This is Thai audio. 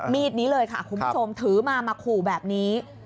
มีดนี้เลยค่ะคุณผู้ชมถือมามาขู่แบบนี้